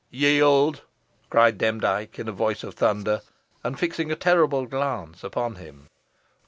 "Yield!" cried Demdike in a voice of thunder, and fixing a terrible glance upon him.